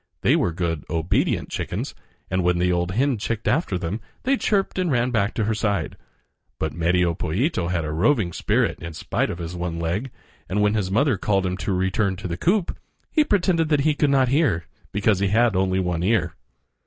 They were good, obedient chickens, and when the old hen chicked after them they chirped and ran back to her side. But Medio Pollito had a roving spirit in spite of his one leg, and when his mother called to him to return to the coop, he pretended that he could not hear, because he had only one ear.